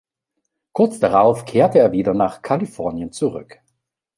Kurz darauf kehrte er wieder nach Kalifornien zurück.